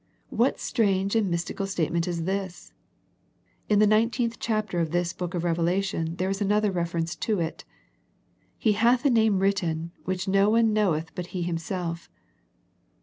What strange and mystical statement is this? In the nine teenth chapter of this book of Revelation there is another reference to it. " He hath a name written, which no one knoweth but He Him self."